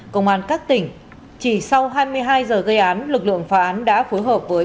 công an các tỉnh chỉ sau hai mươi hai giờ gây án lực lượng phá án đã phối hợp với